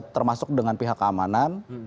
termasuk dengan pihak keamanan